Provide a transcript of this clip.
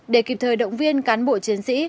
để kịp thời động viên cán bộ chiến sĩ